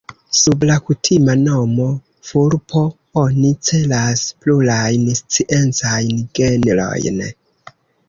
Sub la kutima nomo "vulpo" oni celas plurajn sciencajn genrojn.